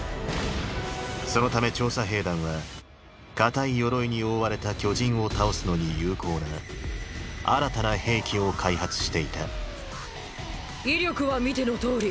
そのため調査兵団は硬い鎧に覆われた巨人を倒すのに有効な新たな兵器を開発していた威力は見てのとおり。